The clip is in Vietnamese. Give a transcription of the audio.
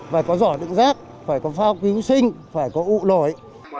phải có giỏ đựng rác phải có phao cứu sinh phải có ụ nổi